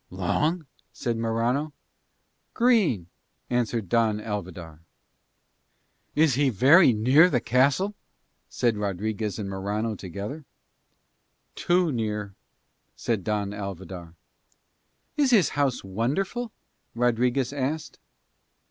"Long?" said Morano. "Green," answered Don Alvidar. "Is he very near the castle?" said Rodriguez and Morano together. "Too near," said Don Alvidar. "Is his house wonderful?" Rodriguez asked.